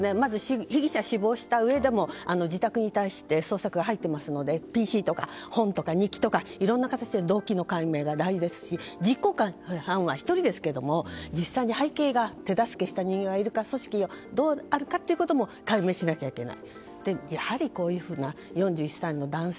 被疑者死亡したうえでも自宅に対して捜索が入っていますのでＰＣとか本とか日記とかいろんな形で動機の解明が大事ですが実行犯は１人でしたけど実際に背景が手助けした人間がいるか組織がどうあるかということも解明しなきゃいけない。